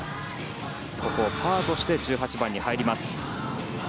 ここをパーとして１８番に入ります。